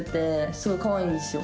すごい可愛いんですよ。